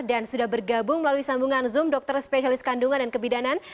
dan sudah bergabung melalui sambungan zoom dokter spesialis kandungan dan kebidanan